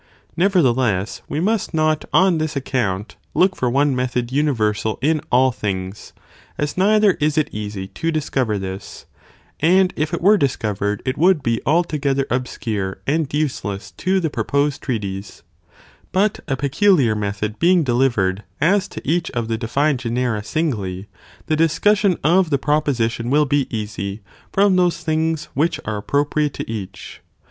Nevertheless we must not on this account look for one method universal in all things, as neither is it easy to dis cover this, and if it were discovered it would be altogether obscure and useless to the proposed treatise. But a pecu t Ofdein., | liar method being delivered as to edch of the de prop. genus, fined generat singly, the discussion of the pro+ and accident. .,.5 A °. position will be easy from those things which are 2. Necessity of appropriate to each.